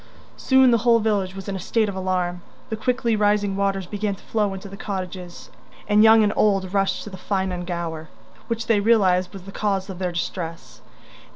Soon the whole village was in a state of alarm. The quickly rising waters began to flow into the cottages, and young and old rushed to Ffynnon Gower, which they realised was the cause of their distress.